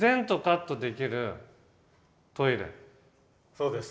そうです。